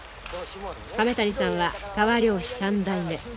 亀谷さんは川漁師３代目。